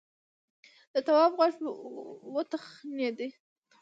د تواب غوږ وتخڼيد: